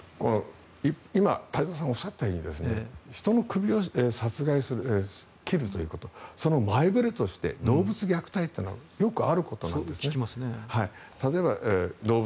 今、太蔵さんがおっしゃったように人の首を切るということその前触れとして動物虐待というのはよくあることなんですね。